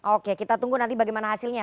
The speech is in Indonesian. oke kita tunggu nanti bagaimana hasilnya